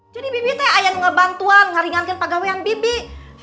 jadi bibitnya ayah ngebantuan ngeringankan pagawain bibit